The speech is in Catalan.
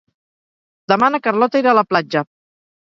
Demà na Carlota irà a la platja.